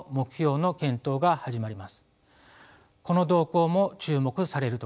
この動向も注目されるところです。